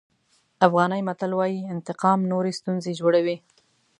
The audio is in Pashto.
افغاني متل وایي انتقام نورې ستونزې جوړوي.